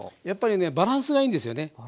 やっぱりねバランスがいいんですよね。